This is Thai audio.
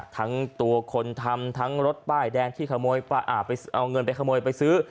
ทั้งตัวคนทำทั้งรถป้ายแดงที่ขโมยป้าอ่าไปเอาเงินไปขโมยไปซื้อ